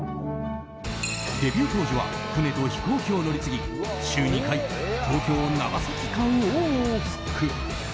デビュー当時は船と飛行機を乗り継ぎ週２回、東京長崎間を往復。